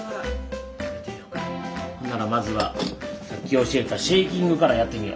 ほんならまずはさっき教えたシェーキングからやってみよ。